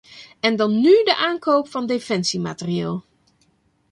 En dan nu de aankoop van defensiematerieel.